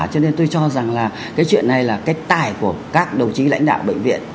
cho nên tôi cho rằng là cái chuyện này là cái tài của các đồng chí lãnh đạo bệnh viện